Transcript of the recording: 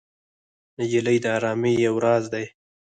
نجلۍ د ارامۍ یو راز دی.